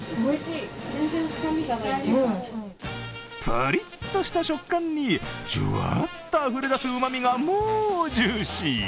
プリッとした食感にじゅわっとあふれ出すうまみがもう、ジューシー。